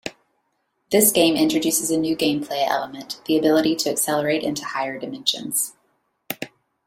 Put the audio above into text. This game introduces a new gameplay element: the ability to accelerate into higher Dimensions.